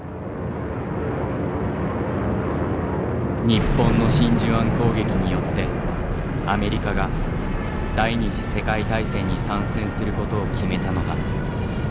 日本の真珠湾攻撃によってアメリカが第二次世界大戦に参戦することを決めたのだ。